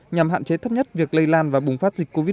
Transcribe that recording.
nhằm hạn chế thấp nhất việc lây lan và bùng phát dịch covid một mươi